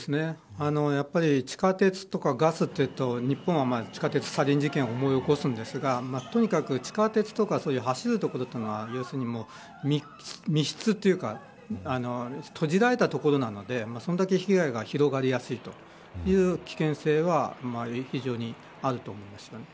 地下鉄とかガスというと日本は地下鉄サリン事件を思い起こすんですがとにかく地下鉄とか、走る所は密室というか閉じられた所なのでそれだけ被害が広がりやすいという危険性は非常にあると思います。